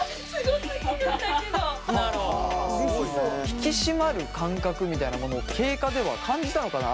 引き締まる感覚みたいなものを経過では感じたのかな？